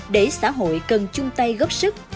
để xã hội cần chung tay góp sức